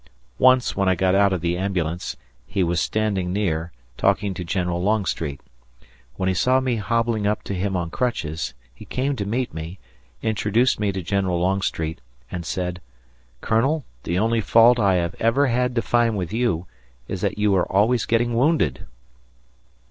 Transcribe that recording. Once, when I got out of the ambulance, he was standing near, talking to General Longstreet. When he saw me hobbling up to him on crutches, he came to meet me, introduced me to General Longstreet, and said, "Colonel, the only fault I have ever had to find with you is that you are always getting wounded."